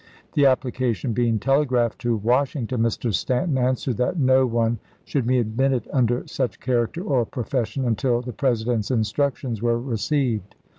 The application being telegraphed to Washington, Mr. Stanton answered that no one should be admitted under such character or profession until the President's instructions were received.